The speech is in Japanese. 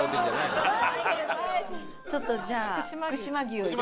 ちょっとじゃあ福島牛。